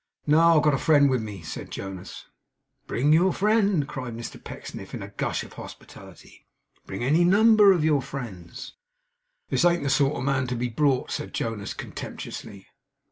'No. I've got a friend with me,' said Jonas. 'Bring your friend!' cried Mr Pecksniff, in a gush of hospitality. 'Bring any number of your friends!' 'This ain't the sort of man to be brought,' said Jonas, contemptuously.